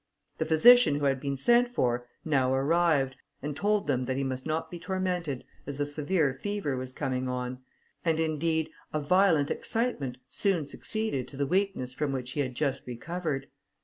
The physician who had been sent for, now arrived, and told them that he must not be tormented, as a severe fever was coming on; and indeed a violent excitement soon succeeded to the weakness from which he had just recovered.